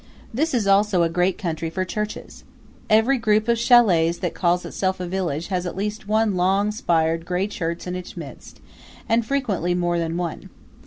This is also a great country for churches. Every group of chalets that calls itself a village has at least one long spired gray church in its midst, and frequently more than one.